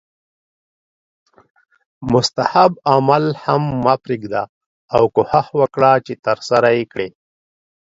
مستحب عمل هم مه پریږده او کوښښ وکړه چې ترسره یې کړې